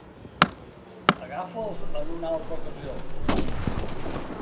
Agafa'ls en una altra ocasió.